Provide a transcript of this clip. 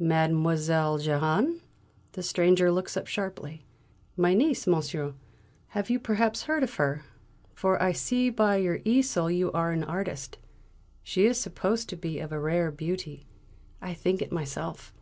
"Mademoiselle Jehane?" the stranger looks up sharply. "My niece, monsieur; you have perhaps heard of her, for I see by your easel you are an artist. She is supposed to be of a rare beauty; I think it myself."